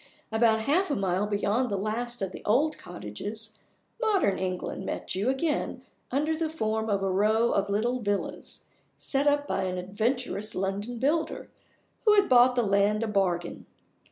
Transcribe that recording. About half a mile beyond the last of the old cottages, modern England met you again under the form of a row of little villas, set up by an adventurous London builder who had bought the land a bargain.